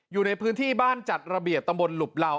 อยู่ในพื้นที่บ้านจัดระเบียบตำบลหลุบเหล่า